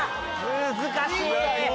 難しい！